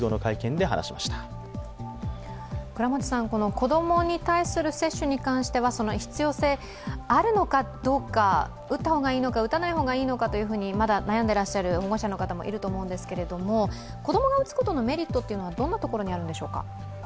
子供に対する接種に関しては必要性、あるのかどうか打った方がいいのか打たない方がいいのか、まだ悩んでいらっしゃる保護者の方もいらっしゃると思うんですが、子供が打つことのメリットはどんなところにあるんでしょうか？